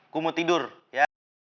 gue mau tidur ya